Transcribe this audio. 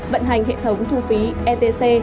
vận hành hệ thống thu phí etc